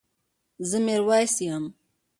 زه ميرويس يم